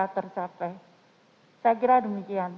tercapai saya kira demikian